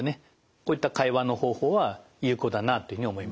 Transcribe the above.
こういった会話の方法は有効だなというふうに思います。